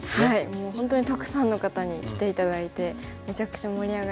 もう本当にたくさんの方に来て頂いてめちゃくちゃ盛り上がりましたね。